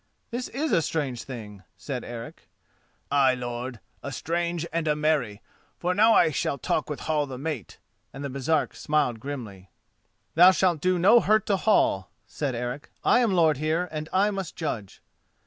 "This is a strange thing," said Eric. "Ay, lord, a strange and a merry, for now I shall talk with Hall the mate," and the Baresark smiled grimly. "Thou shalt do no hurt to Hall," said Eric. "I am lord here, and I must judge."